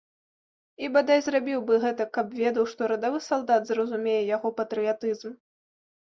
І, бадай, зрабіў бы гэтак, каб ведаў, што радавы салдат зразумее яго патрыятызм.